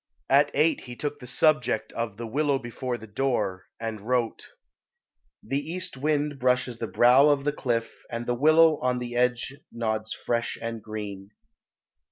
At eight he took the subject of the "Willow before the Door," and wrote "The east wind brushes the brow of the cliff And the willow on the edge nods fresh and green."